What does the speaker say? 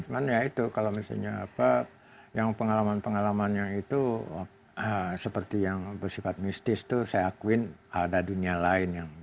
cuman ya itu kalau misalnya apa yang pengalaman pengalamannya itu seperti yang bersifat mistis itu saya akuin ada dunia lain yang